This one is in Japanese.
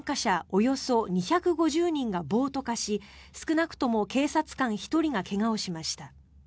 およそ２５０人が暴徒化し少なくとも警察官１人が怪我をしました。